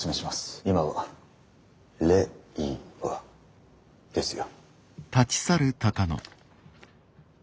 今は令和ですよ。